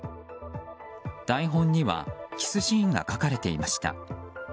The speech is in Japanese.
台本にはキスシーンが書かれていました。